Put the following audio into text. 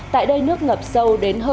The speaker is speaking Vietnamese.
tại đây nước ngập sâu đến hơn một m